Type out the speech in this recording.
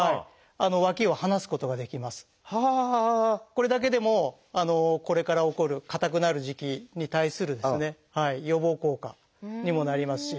これだけでもこれから起こる硬くなる時期に対する予防効果にもなりますし。